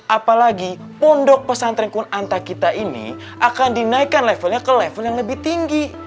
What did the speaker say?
apalagi pondok pesantren kun anta kita ini akan dinaikkan levelnya ke level yang lebih tinggi